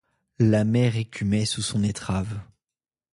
La mer écumait sous son étrave.